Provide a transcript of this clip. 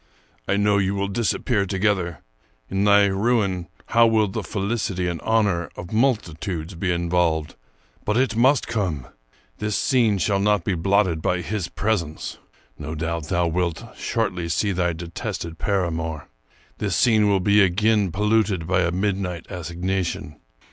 I know you will disappear to gether. In thy ruin, how will the felicity and honor of multitudes be involved! But it must come. This scene 272 Charles Brockden Brown shall not be blotted by his presence. No doubt thou wilt shortly see thy detested paramour. This scene will be again polluted by a midnight assignation.